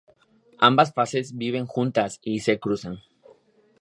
Ambas fases viven juntas y se cruzan.